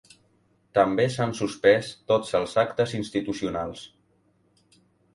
També s’han suspès tots els actes institucionals.